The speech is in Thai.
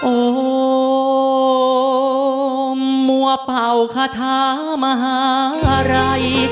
โอมมัวเป่าคาถามหาอะไร